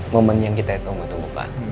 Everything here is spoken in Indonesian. momen yang kita tunggu tunggu pak